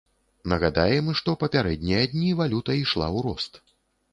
Нагадаем, што папярэднія дні валюта ішла ў рост.